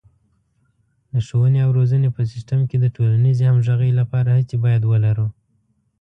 د ښوونې او روزنې په سیستم کې د ټولنیزې همغږۍ لپاره هڅې باید ولرو.